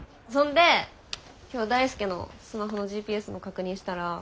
そんで今日大輔のスマホのＧＰＳの確認したら。